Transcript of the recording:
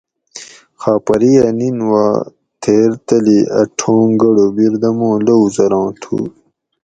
خاپری اۤ نِن وا تھیر تلی اَ ٹھونگ گۤڑو بیردمو لووُ زراں تھو